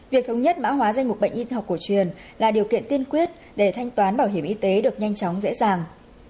việc thống nhất mã hóa danh mục bệnh y học cổ truyền là điều kiện tiên quyết để thanh toán bảo hiểm y tế được nhanh chóng dễ dàng